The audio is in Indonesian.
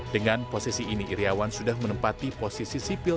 dengan posisi ini iryawan sudah menempati posisi sipil